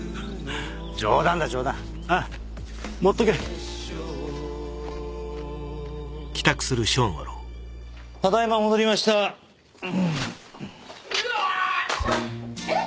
冗談だ冗談ほら持ってけただいま戻りましたうん・グアーッ！